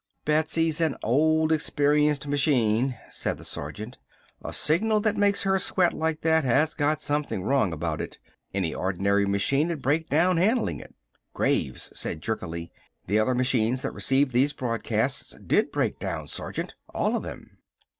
"Betsy's an old, experienced machine," said the sergeant. "A signal that makes her sweat like that has got something wrong about it. Any ordinary machine 'ud break down handlin' it." Graves said jerkily: "The other machines that received these broadcasts did break down, Sergeant. All of them."